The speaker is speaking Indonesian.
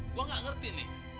gua gak ngerti nih